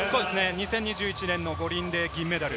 ２０２１年、五輪で銀メダル。